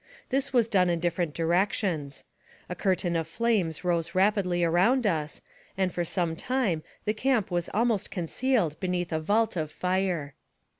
This was done in dif ferent directions. A curtain of flames rose rapidly around us, and for some time the camp was almost concealed beneath a vault of fire.